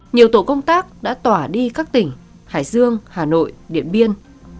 nhiều tổ công tác đã tỏa đi các tỉnh hải dương hà nội điện biên